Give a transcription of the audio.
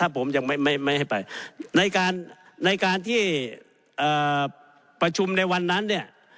ประชุมในวันนั้น